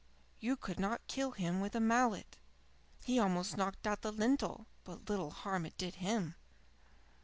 You could not kill him with a mallet. He almost knocked out the lintel, but little harm it did him."